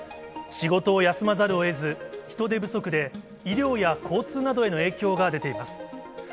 仕事を休まざるをえず、人手不足で医療や交通などへの影響が出ています。